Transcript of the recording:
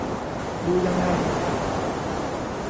ดูยังไง